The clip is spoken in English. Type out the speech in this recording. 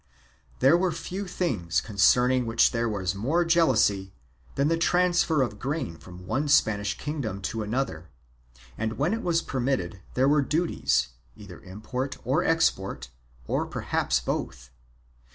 4 There were few things concerning which there was more jealousy than the transfer of grain from one Spanish kingdom to another, and when it was permitted there were duties, either import or export or perhaps both.